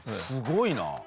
すごいな。